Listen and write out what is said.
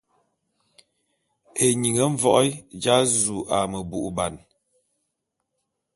Eying mvoé dza zu a meboubane.